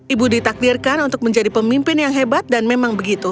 ibu ditakdirkan untuk menjadi pemimpin yang hebat dan memang begitu